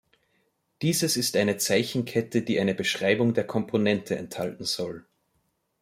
Dieses ist eine Zeichenkette, die eine Beschreibung der Komponente enthalten soll.